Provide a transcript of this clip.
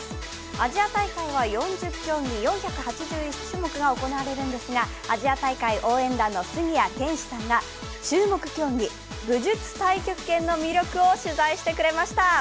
アジア大会は４０競技４８１種目が行われるんですが、アジア大会応援団の杉谷拳士さんが注目競技、武術太極拳の魅力を取材してくれました。